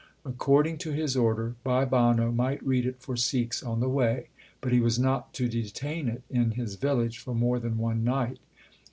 According to his order Bhai Banno might read it for Sikhs on the way, but he was not to detain it in his village for more than one night.